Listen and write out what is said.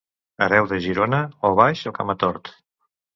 Hereu de Girona, o baix o camatort.